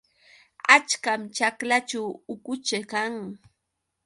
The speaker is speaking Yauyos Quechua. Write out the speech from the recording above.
Achkam ćhaklaćhu ukucha kan.